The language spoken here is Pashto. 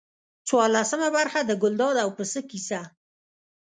څوارلسمه برخه د ګلداد او پسه کیسه.